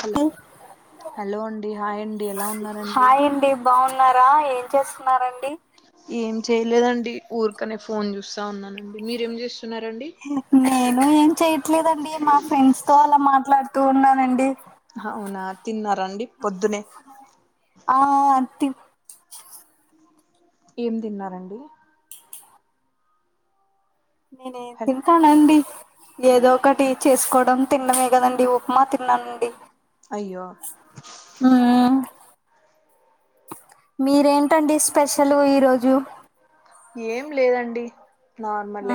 Hello hello అండి hi అండి ఎలా ఉన్నారండి హాయ్ అండి బాగున్నారా ఏం చేస్తున్నారండి ఏం చేయలేదండి ఊరికనే ఫోన్ చూస్తా ఉన్నానండి మీరేం చేస్తున్నరండి నేను ఏం చెయట్లేదండి మా ఫ్రెండ్స్ తో అలా మాట్లాడుతూ ఉన్నానండి అవునా తిన్నరండి పొద్దునే ఆ తీన్ ఏం తిన్నారండి నేనే తింటానండి ఏదో ఒకటి చేసుకోవడం తిండమే కదండి ఉప్మా తిన్నానండి అయ్యో ఆ మీరేంటండి స్పెషల్ ఈరోజు ఏం లేదండి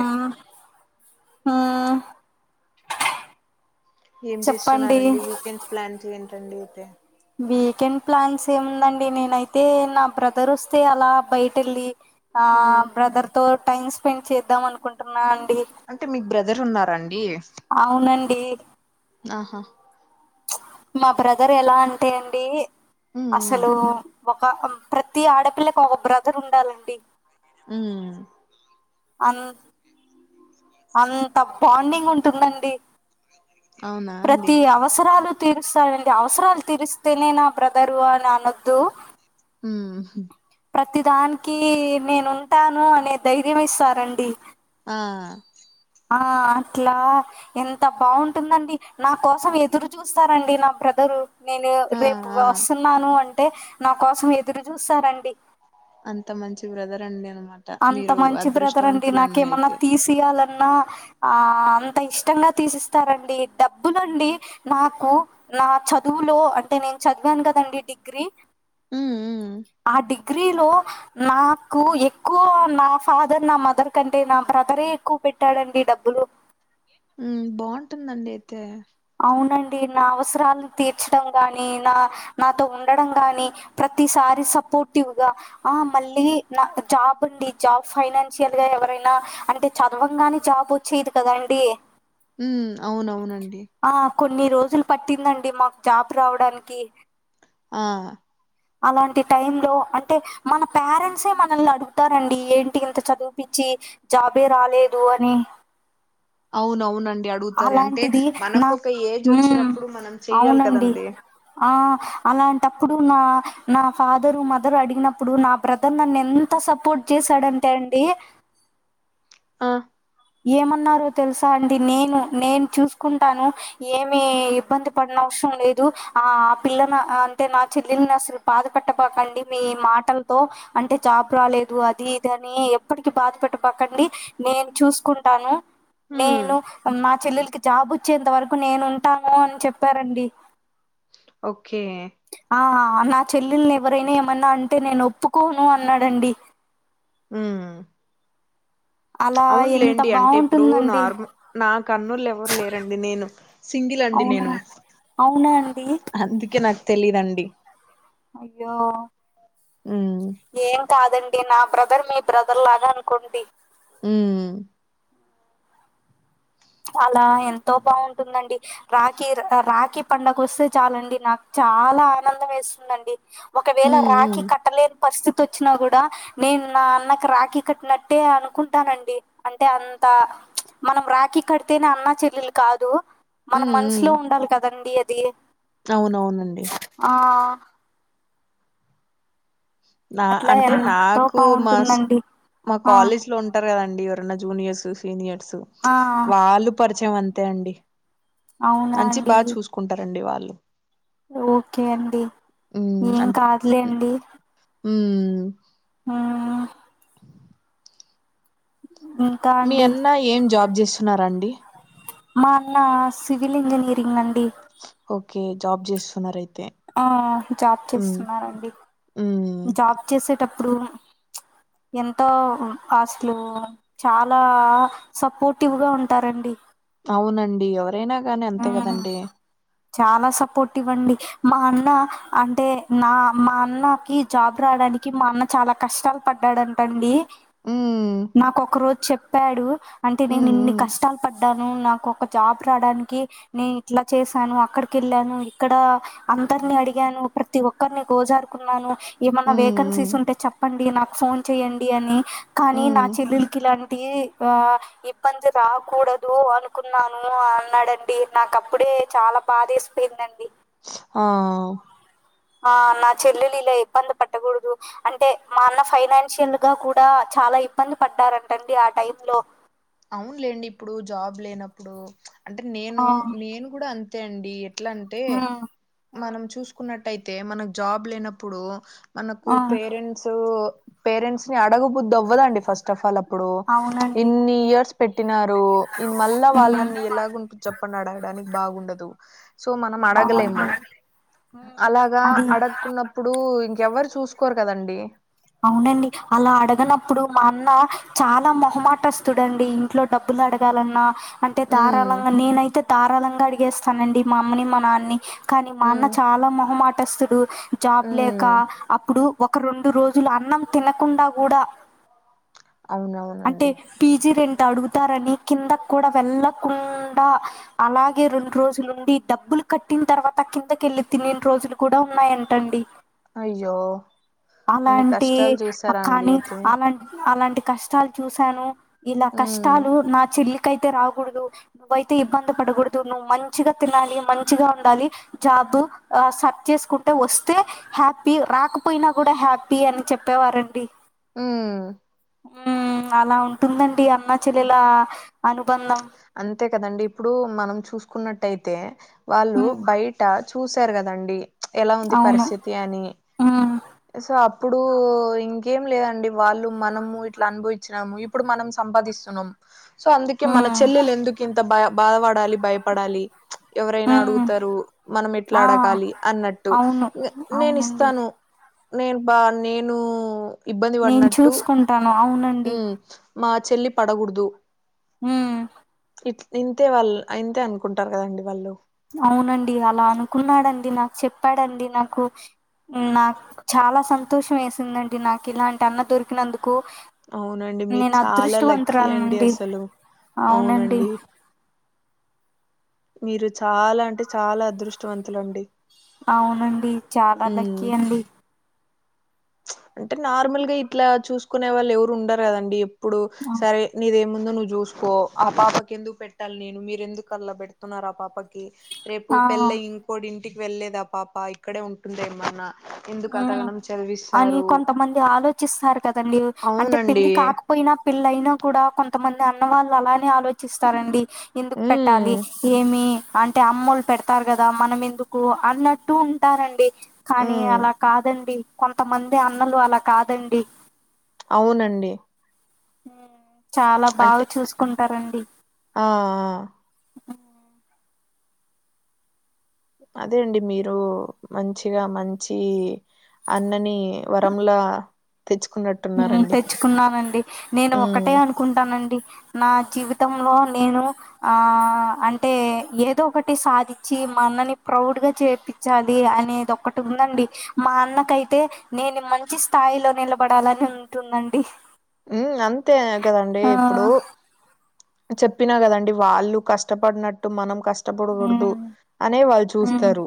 ఆ ఆ ఏం చెప్పండి చేస్తున్నారండి వీకెండ్స్ ప్లాన్ ఏంటండి అయితే వీకెండ్ ప్లాన్స్ ఏముందండి నేనైతే నా బ్రదర్ ఒస్తే అలా బయటెవేళ్ళి ఆ బ్రదర్ తో టైమ్ స్పెండ్ చేద్దాం అనుకుంటున్నా అండి అంటే మీక్ బ్రదర్ ఉన్నారండి అవునండి ఆహా మా బ్రదర్ ఎలా అంటే అండి ఉమ్ అసలు ఒక ప్రతి ఆడపిల్లకి ఒక బ్రదర్ ఉండాలండి ఉ అన్ అంత బాండింగ్ ఉంటుందండి అవునా అండి ప్రతి అవసరాలు తీరుస్తారండి అవసరాలు తీరిస్తేనే నా బ్రదరు అని అనొద్దు ఉ ప్రతి దానికి నేనుంటాను అనే ధైర్యం ఇస్తారండి ఆ ఆ అట్లా ఎంత బాగుంటుందండి నా కోసం ఎదురు చూస్తారండి నా బ్రదరు నేను ఆ రేపు ఆ వస్తున్నాను అంటే నా కోసం ఎదురు చూస్తారండి అంత మంచి బ్రదర్ అండి అంత మీరు మంచి బ్రదర్ అండి అదృష్టవంతులండి నాకేమన్నా అయితే తీసియాలన్నా ఆ అంత ఇష్టంగా తీసిస్తారండి డబ్బులండి నాకు నా చదువులో అంటే నేను చదివాను కదండి డిగ్రీ ఉమ్ ఉమ్ ఆ డిగ్రీ లో నాకు ఎ క్కువ నా ఫాదర్ నా మదర్ కంటే నా బ్రదరే ఎక్కువ పెట్టాడండి డబ్బులు ఉమ్ బాగుంటుందండి అయితే అవునండి నా అవసరాలను తీర్చడం గాని నా నాతో ఉండడం గాని ప్రతిసారి సపోర్టివ్ గా ఆ మళ్ళీ నా జాబ్ అండి జాబ్ ఫైనాన్షియల్ గా ఎవరైనా అంటే చదవంగానే జాబ్ వచ్చేయది కదండి ఉమ్ అవునవునండి ఆ కొన్ని రోజులు పట్టిందండి మాక్ జాబ్ రావడానికి ఆ అలాంటి టైంమ్ లో అంటె మన పారెంట్సే మనల్ని అడుగుతారండి ఏంటి ఇంత చదివుపిచ్చి జాబే రాలేదు అని అవున అవునండి అడుగుతారు అంటే అలాంటిది నా మనకు ఒక ఏజ్ మ్మ్ వచ్చినప్పుడు మనం చెయ్యాలి అవునండి కదండి ఆ అలాంటప్పుడు నా నా ఫాదరు మదర్ అడిగినప్పుడు నా బ్రదర్ నన్నెంత సపోర్ట్ చేసాడంటే అండి ఆ ఏమన్నారో తెలుసా అండి నేను నేను చూసుకుంటాను ఏమి ఇబ్బంది పడిన అవసరం లేదు ఆ ఆ పిల్లన అంటే నా చెల్లెల్ని అసలు బాధ పెట్టబాకండి మీ మాటల్ తో అంటే జాబ్ రాలేదు అది ఇది అని ఎప్పటికి బాధ పెట్టమాకండి నేను చూ కుంటాను ఉమ్ నేను మా చెల్లెలికి జాబ్ వచ్చేంత వరకు నేను ఉంటాను అని చెప్పారండి ఓకే ఆ నా చెల్లెల్ని ఎవరైనా ఏమన్నా అంటే నేను ఒప్పుకోను అన్నాడండి ఉమ్ అలా ఎంత అవునులేండి అంటే ఇప్పుడు బాగుంటుందండి నార్మల్ నాకు అన్నుళ్లు ఎవరు లేరండి నేను సింగిల్ అండి నేను అవునాండి అందుకే నా తెలీదండి అయ్యో ఉమ్ ఏం కాదండి నా బ్రదర్ మీ బ్రదర్ లాగా అనుకోండి ఉమ్ అలా ఎంతో బాగుంటుందండి రాఖీ రాఖీ పండగ వస్తే చాలండి నాకు చాలా ఆనందం వేస్తుందండి ఒకవేళ ఉమ్ రాఖి ఉమ్ కట్టలేని పరిస్థితి వచ్చినా కూడా నేను నా అన్నకి రాఖీ కట్టినట్టే అనుకుంటానండి అంటే అంత మనం రాఖి కడితేనే అన్న చెల్లెలు కాదు మన ఉమ్ ఉమ్ మనసులో ఉండాలి కదండి అది అవునవునండి ఆ నా అట్లా అంటే ఎంతో నాకు మా స్కూ బాగుంటుందండి మా ఆ కాలేజ్ లో ఉం టరు కదండి ఎవరన్నా జూనియర్స్ సీనియర్స్ ఆ వాళ్ళు పరిచయం అంతే అండి అవునా మంచి అండి బాగ చూసుకుంటారండి వాళ్ళు ఓకే అండి ఉమ్, ఏం అంటే కాదులే అండి ఉమ్ ఆ ఉ మీ అన్న ఏం జాబ్ చేస్తున్నారండి మా అన్న సివిల్ ఇంజనీరింగ్ అండి ఓకే జాబ్ చేస్తున్నారు అయితే ఆ జాబ్ చేస్తున్నారండి జాబ్ చేసేటప్పుడు ఎంతో ఆస్తులు చాలా సపోర్టివ్గా ఉంటారండి అవునండి ఎవరైనా కానీ అంతే ఉమ్ కదండి చాలా సపోర్టివ్ అండి మా అన్న అంటే నా మా అన్నకి జాబ్ రావడానికి మా అన్న చాలా కష్టాలు పడ్డాడంటండి ఉమ్ నాకు ఒక రోజు చెప్పాడు అంటే నేను ఉమ్, ఇన్ని ఉమ్, కష్టాలు పడ్డాను నాకు ఒక జాబ్ రావడానికి నేను ఇట్లా చేసాను అక్కడికి ఎళ్ళాను ఇక్కడ అందరిని అడిగాను ప్రతి ఒక్కరిని గోజారుకున్నాను ఏమన్నా వేకెన్సీస్ ఉమ్, ఉంటే చెప్పండి నాకు ఫోన్ చెయండి అని కానీ నా ఉమ్, చెల్లలికి ఇలాంటి ఆ ఇబ్బంది రాకూడదు అనుకున్నాను అన్నాడండి నాక అప్పుడే చాలా బాదేసి పెయిందండి ఆ ఆ నా చెల్లిలా ఇబ్బంది పట్టకూడదు అంటే మా అన్న ఫైనాన్షియల్ గా కూడా చాలా ఇబ్బంది పడ్డారంటండి ఆ టైంలో అవునులేండి ఇప్పుడు జాబ్ లేనప్పుడు అంటే నేను ఆ నేను కూడా అంతే అండి ఎట్లంటే హ్మ్ మనం చూసుకున్నట్టయితే మనకు జాబ్ లేనప్పుడు మనకు ఆ పేరెంట్స్ పేరెంట్స్ ని అడగబుద్దు అవ్వదు అండీ ఫస్ట్ హాఫ్ అల్ ఇప్పుడు అవునండి ఇన్ని ఇయర్స్ పెట్టినారు ఇది మళ్ళ హ్మ్ వాళ్ళని ఎలాగు చెప్పండి అడగడానికి బాగుండదు సో మనం అడగలేము బాగుంది హ్మ్ అలాగా అది అడగ్ కున్నప్పుడు ఇంకెవ్వరు చూసుకోరు కదా అండీ అవును అండీ అలా అడగనప్పుడు మా అన్న చాలా మొహమాటస్తుడు అండీ ఇంట్లో డబ్బులు అడగాలన్నా అంటే ఉమ్ ధారళంగా నేనైతే ధారాళంగా అడిగేస్తాను అండీ మా అమ్మని మా నాన్ని కానీ మా ఉమ్ అన్న చాలా మొహమాటస్తుడు జాబ్ లేక ఉమ్ అప్పుడు ఒక రెండు రోజు జుల అన్నం తినకుండా గుడా అంటే అవునవునండి పీజీ రెంట్ అడుగుతారని కిందకి కూడా వెళ్ళకుండా అలాగే రెండు రోజులు ఉండి డబ్బులు కట్టిన తర్వాత కిందకిళ్ళి తినిన్ రోజులు కూడా ఉన్నాయంట అండీ అయ్యో అన్ని లాంటి కష్టాలు చూసారా అండి కాని అయితే అలాంటి అలాంటి కష్టాలు చూసాను ఇలా ఉమ్ కష్టాలు నా చెల్లికైతే రాగూడదు నువ్వైతే ఇబ్బంది పడకూడదు నువ్వు మంచిగా తినాలి మంచిగా ఉండాలి జాబ్ ఆ సర్చ్ చేసుకుంటే వొస్తే హ్యాపీ రాకపోయినా గుడా హ్యాపీ పి అని చెప్పేవారు అండీ ఉ ఉ అలా ఉంటుందండి అన్న చెల్లెల అనుబంధం అంతే కదా అండీ ఇప్పుడు మనం చూసుకున్నట్టు అయితే వాళ్ళు మ్మ్ బయట చూసారు గదండి ఎలా ఉంది పరిస్థితి అని హ సో అప్పుడు ఇంకేం లేదండి వాళ్ళు మనము ఇట్లా అనుభవించినాము ఇప్ ఇప్పుడు మనం సంపాదిస్తున్నాం సో అందుకే మన మ్మ్ చెల్లెలు ఎందుకు ఇంత భయ బాధపడాలి భయపడాలి ఎవరైనా మ్మ్ అడుగుతరు మనం ఎట్లా ఆ అడగాలి అన్నట్టు అవును ఇంగ నేను అవునండి ఇస్తాను నేన్ బా నేను నేను చూసుకుంటాను అవును అం మ్ మా చెల్లి పడగుడదు ఉ ఇట్ ఇంతే వాళ్ళు ఇంతే అనుకుంటారు కదా అండీ వాళ్ళు అవును అండీ అలా అనుకున్నాడు అండీ నాకు చెప్పాడు అండీ నాకు నాక్ చాలా సంతోషం వేసింది అండీ నాకు ఇలాంటి అన్న దొరికినందుకు అవునండి మీరు నేను చాలా లక్కీ అదృష్టవంతురాల్ని అండి అండీ అసలు అవును అండీ అవునండి మీరు చాలా అంటే చాలా అదృష్టవంతులు అండి అవును అండి చాలా లక్కి అండీ అంటే నార్మల్ గా ఇట్లా చూసుకునే వాళ్ళు ఎవరు ఉండరు గదా అండీ ఇప్పుడు సరే నీదేమ్ ఉందొ నువ్వు చూసుకో ఆ పాపకి ఎందుకు పెట్టాల్ నేను మీరె ఎందుకు అల్ల బెడుతున్నారు ఆ పాపకి రేపు ఆ పెళ్లయ్యి కోడి ఇంటికి వెళ్లేదా ఆ పాప ఇక్కడే ఉంటుంద ఎమన్నా ఎందుకు మ్మ్ అంతగానం చదివిస్ అని కొంతమంది ఆలోచిస్తారు కదా అండీ అంటే అవునండి పెళ్లి కాక పోయినా పిల్లయినా కూడా కొంతమంది అన్న వాళ్ళు అలానే ఆలోచిస్తారు అండీ ఎందుకు పట్టాలి హ్మ్. ఏమి అంటే అమ్మోల్ పెడతారు గదా మనం ఎందుకు అన్నట్టు ఉంటార్ అండీ కానీ హ్మ్. అలా కాదండి కొంతమంది అన్నలు అలా కాదండి అవును అండీ చాలా బాగా అంటే చూసుకుంటారు అండీ ఆ అదే అండి మీరు మంచిగా మంచి అన్నని వరంలా తెచ్చుకున్నట్టు ఉమ్ తెచ్చుకున్నానండి నేను హ్మ్. ఒక్కటే అనుకుంటానండి నా జీవితంలో నేను ఆ అంటే ఏదో ఒకటి సాధించి మా అన్నని ప్రౌడ్ గా చేపి వచ్చాలి అనేది ఒక్కటుందండి మా అన్నకైతే నేను మంచి స్థాయిలో నిలబడాలని ఉంటుందండి ఉ అంతే కదండి ఆ! ఇప్పుడు చెప్పినా కదండి వాళ్ళు కష్టపడినట్టు మనం కష్ కష్టపడకూడదు హ్మ్. అనే వాళ్ళు హ్మ్. చూస్తారు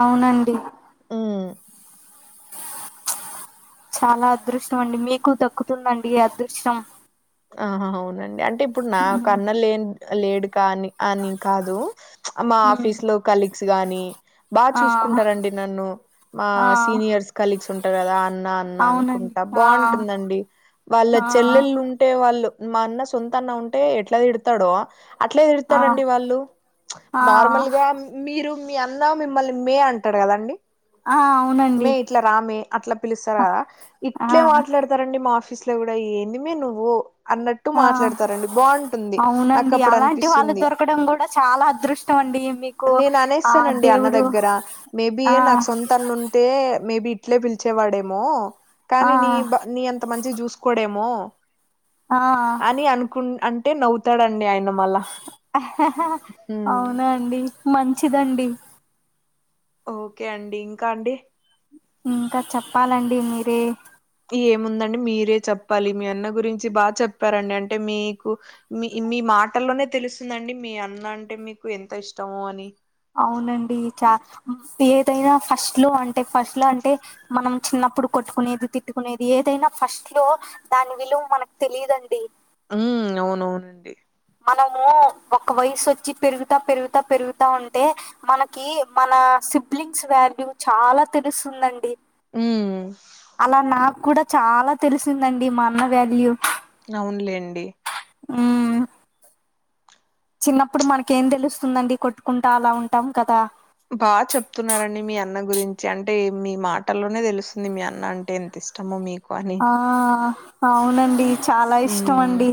అవునండి. హ్మ్. చాలా అదృష్టమండి మీకు దక్కుతుందండి ఈ అదృష్టం. ఆహా అవునండి అంటే ఇప్పుడు నా హ్మ్. కన్న లేన్ లేడు కానీ. అని కాదు మా హ్మ్. ఆఫీస్ లో కలీగ్స్ గానీ. బాగ్ ఆ! చూసుకుంటారండి నన్ను. అ ఆ! సీనియర్స్ కలీగ్స్ ఉంటారు కదా అన్న అన్న అవునండి. అనుకుంటా ఆ! బాగుంటుందండి. వాళ్ళ ఆ! చెల్లెళ్లు ఆ! ఉంటే వాళ్ళు మా అన్న సొంత అన్న ఉంటే ఎట్లా తిడతాడో. అట్లే ఆ! తిడతారండి వాళ్ళు ఆ నార్మల్ గా. మీరు మీ అన్న మిమ్మల్ని మే అంటాడు కదండి. ఆ అవునండి. ఇట్లా రామి అట్లా పిలుస్తారు కదా ఆ ఇట్లే మాట్లా. రండి మా ఆఫీస్ లో కూడా ఏంది మే నువ్వు. అన్నట్టు ఆ మాట్లాడతారండి బాగుంటుంది అవునండి నాకుప్పుడు అలాంటి వాళ్ళు అనిపిస్తుంది. దొరకడం కూడా చాలా అదృష్టం అండి మీకు నేను ఆ అనేస్తానండి అన్న దేవుడు దగ్గర మేబి ఆ నాకు సొంతన్నున్. టే మేబి ఇట్లే పిలిచేవాడేమో ఆ కానీ నీ బ నీయంత మాంచిగ చూస్. కొడెమో ఆ అని అనుకు అంటే నవ్వుతాడండి ఆయన. మళ్ళా అవునా అండి మంచిదండి. ఓకే అండి ఇంకా అండి. ఇంకా చెప్పాలండి మీరే. ఏముందండి మీరే చెప్పాలి మీ అన్న గురించి బాగా చెప్పారండి అంటే మీకు. మీ మీ మాటల్లోనే తెలుస్తుందండి మీ అన్న అంటే మీకు ఎంత ఇష్టమో అని. అవునండి చ ఏదైనా ఫస్ట్ లో అంటే ఫస్ట్ లో అంటే. మనం చిన్నప్పుడు కొట్టుకునేది తిట్టుకునేది ఏదైనా ఫస్ట్ లో. దాని విలువ్ మనకు తెలియదండి. ఊ అవునవునండి. మనము ఒక్క వయసొచ్చి పెరుగుతా పెరుగుతా పెరుగుతా ఉంటే. మనకి మన సిబ్లింగ్స్ వాల్యూ చాలా తెలుస్తుందండి. ఉమ్ అలా నాకు కూడా చాలా తెలిసిందండి మా అన్న వ్యాల్యూ. అవునులేండి. ఊ. చిన్నప్పుడు మనకేం తెలుస్తుందండి కొట్టుకుంటా అలా ఉంటాం కదా. బాగా చెప్తున్నారండి మీ అన్న గురించి అంటే మీ మాటల్లోనే తెలుస్తుంది మీ అన్న అంటే ఎం. ఇష్టమో మీకు అని. ఆ అవునండి చాలా ఇష్టం ఉమ్ అండి.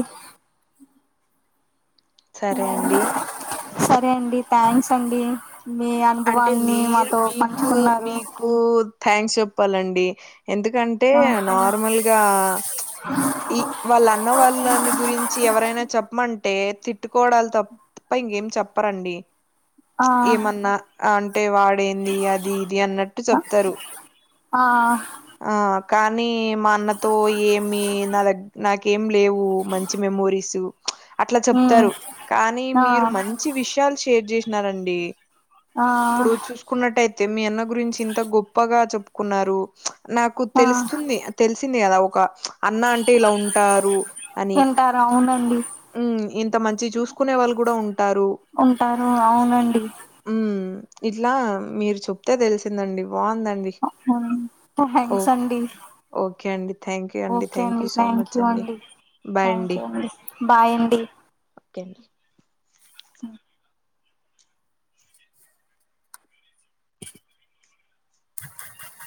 సరే అండి. సరే అండి థ్యాంక్స్ అండి మీ అనుభవాల్ని మాతో పంచుకున్నరు. కు థ్యాంక్స్ చెప్పాలండి ఎందుకంటే ఆ నార్మల్గా. ఈ వాళ్ళ అన్న వాళ్ళని గురించి ఎవరైనా చెప్పమంటే తిట్టుకోవడాల తప్. ప్ప ఇంకేం చెప్పరండి. ఆ ఏమన్నా అంటే వాడేంది అది ఇది అన్నట్టు చెప్తరు. ఆ. ఆ కానీ మా అన్నతో ఏమి నా దగ్. నాకేం లేవు మంచి మెమోరీస్ అట్లా మ్మ్ చెప్తారు కానీ ఆ మీరు మన్. చి విషయాలు షేర్ చేసినారండి. ఆ ఇప్పుడు చూసుకున్నట్టయితే మీ అన్న గురించి ఇంత గొప్పగా చెప్పుకున్నారు. నాకు ఆ తెలుస్తుంది తెలిసింది కదా ఒక అన్న అంటే ఇలా ఉంటారు అని ఉంటారు అవునండి ఊ ఇంత మంచిగ చూసుకునే వాళ్ళు కూడా ఉంటారు, ఉంటారు అవునండి ఉ ఇట్లా మీరు చెప్తే తెలిసిందండి బాగుందండి ఆహా థాంక్స్ అండీ ఓకే అండి థ్యాంక్ యూ అండి థ్యాంక్ యూ సో మచ్ అండి థ్యాంక్ యు అండి బాయ్ అండి ఓకే